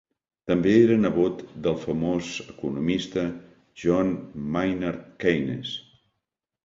També era el nebot del famós economista John Maynard Keynes.